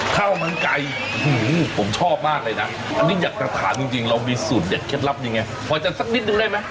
ข้าวมันไก่ผมชอบมากเลยนะอันนี้อยากจะถามจริงเรามีสูตรเด็ดเคล็ดลับยังไงพอจะสักนิดนึงได้ไหม